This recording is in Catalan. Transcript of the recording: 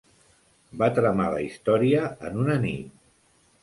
Va tramar la història en una nit.